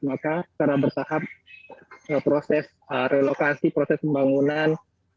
maka secara bertahap proses relokasi proses pembangunan